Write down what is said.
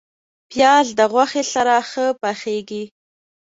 پیاز د غوښې سره ښه پخیږي